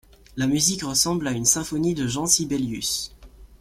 La musique ressemble à une symphonie de Jean Sibelius.